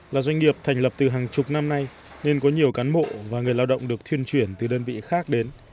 là doanh nghiệp thành lập từ hàng chục năm nay nên có nhiều cán bộ và người lao động được thiên chuyển từ đơn vị khác đến